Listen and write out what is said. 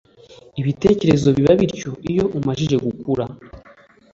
ibitekerezo biba bityo uyo umajije gukura